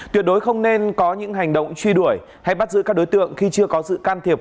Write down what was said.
tuyệt đối không nên có những hành động truy đuổi hay bắt giữ các đối tượng khi chưa có sự can thiệp